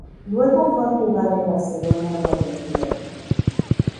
Luego fue a jugar al Barcelona guayaquileño.